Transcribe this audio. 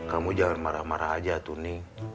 kamu jangan marah marah aja tuni